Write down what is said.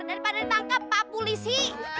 daripada ditangkap pak polisi